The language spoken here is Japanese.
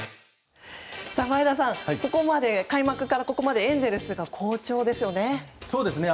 前田さん、開幕からここまでエンゼルスが好調ですね。